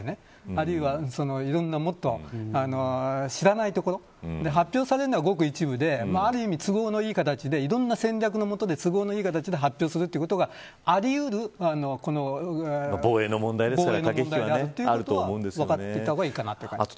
あるいは、いろんな、もっと知らないところ発表されるのはごく一部で都合のいい形でいろんな戦略のもとで都合のいい形で発表するのがありえる防衛の問題ということは分かっていた方がいいかなと思います。